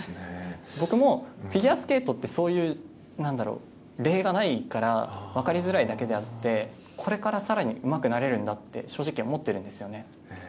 僕もフィギュアスケートってそういう例がないから分かりづらいだけであってこれから更にうまくなれるんだって正直思ってるんですよね。